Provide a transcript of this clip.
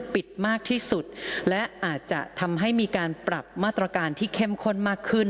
มากที่สุดและอาจจะทำให้มีการปรับมาตรการที่เข้มข้นมากขึ้น